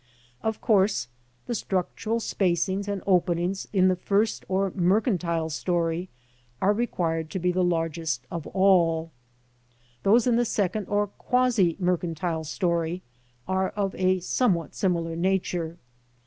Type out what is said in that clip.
Of course the structural spacings and openings in the first or mercan tile storv are required to be the largest of all ; those in the second or quasi mercantile story are of a somewhat similar nature.